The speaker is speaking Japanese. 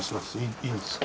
いいんですか？